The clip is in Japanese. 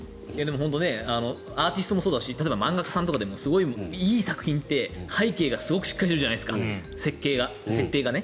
アーティストもそうですし例えば、漫画家さんとかもすごいいい作品って背景がすごくしっかりしているじゃないですが設定がね。